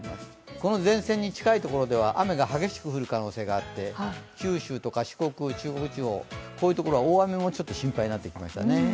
この前線に近いところでは雨が激しく降る可能性があって九州とか四国、中国地方は大雨もちょっと心配になってきましたね。